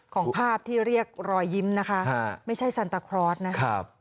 ของภาพที่เรียกรอยยิ้มนะคะไม่ใช่ซันตาคลอสนะครับ